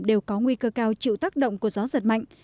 đều có nguy cơ cao chịu tác động của gió giật mạnh